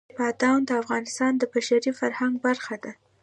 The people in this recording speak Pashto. بادام د افغانستان د بشري فرهنګ برخه ده.